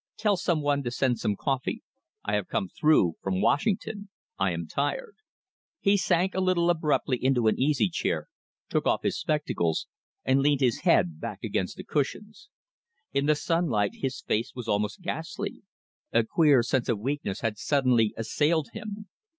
"Tell some one to send me some coffee. I have come through from Washington. I am tired." He sank a little abruptly into an easy chair, took off his spectacles, and leaned his head back upon the cushions. In the sunlight his face was almost ghastly. A queer sense of weakness had suddenly assailed him.